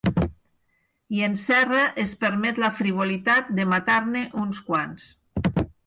I en Serra es permet la frivolitat de matar-ne uns quants.